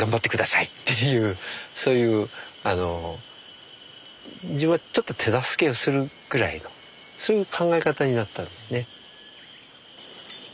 そういうあの自分はちょっと手助けをするぐらいのそういう考え方になったんですね。